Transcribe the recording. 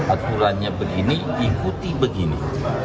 aturannya begini ikuti begini